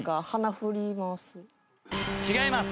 違います。